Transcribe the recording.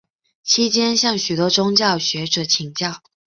期间向许多宗教学者请教。